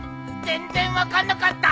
全然分かんなかった。